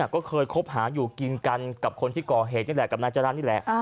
ก็เคยคบหาอยู่กินกันกับคนที่ก่อเหตุนี่แหละกับนายจรรย์นี่แหละ